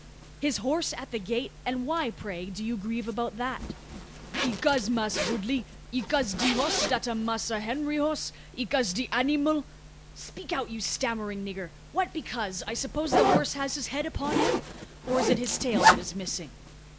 "His horse at the gate? And why, pray, do you grieve about that?" "'Ecause, Mass' Woodley, 'ecause de hoss dat am Massa Henry hoss 'ecause de anymal " "Speak out, you stammering nigger! What because? I suppose the horse has his head upon him? Or is it his tail that is missing?"